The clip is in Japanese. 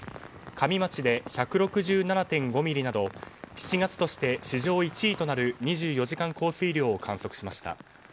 加美町で１６７．５ミリなど７月として史上１位となる２４時間降水量を観測しました。